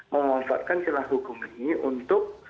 memanfaatkan silah hukum ini untuk